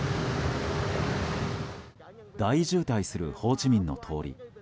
大渋滞するホーチミンの通り。